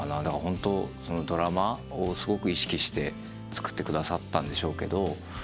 だからホントドラマをすごく意識して作ってくださったんでしょうけど。